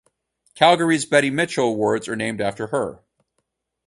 Calgary's "Betty Mitchell" awards are named after her.